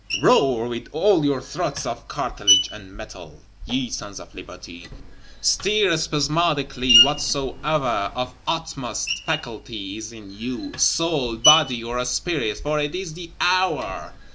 Roar with all your throats of cartilage and metal, ye Sons of Liberty; stir spasmodically whatsoever of utmost faculty is in you, soul, body, or spirit; for it is the hour!